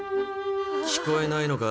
聞こえないのか？